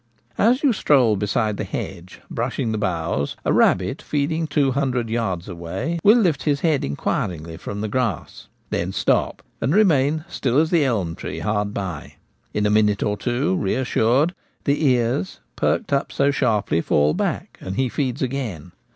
As you stroll beside the hedge, brushing the boughs, a rabbit feeding two hundred yards away will Stalking Rabbits. i o i lift his head inquiringly from the grass. Then stop, and remain still as the elm tree hard by. In a minute or two, reassured, the ears perked up so sharply fall back, and he feeds again.